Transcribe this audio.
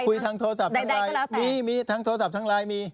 คุยทางโทรศัพท์ทางไลน์มีมีทางโทรศัพท์ทางไลน์มี